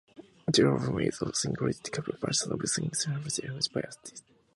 The album also included cover versions of songs first recorded by other artists.